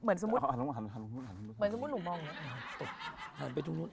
เหมือนสมมุติหนูมองเนี่ย